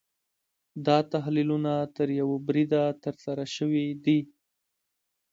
دا تحلیلونه تر یوه بریده ترسره شوي دي.